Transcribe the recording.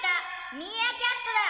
ミーアキャットだ。